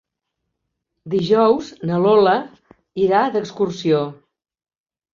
Dijous na Lola irà d'excursió.